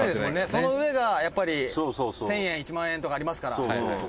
その上がやっぱり１０００円１万円とかありますから」